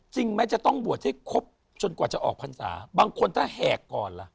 จริงไหมจะต้องบวชให้ครบจนกว่าจะออกพรรษาบางคนถ้าแหกก่อนล่ะ